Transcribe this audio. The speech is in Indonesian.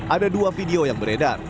ada dua video yang beredar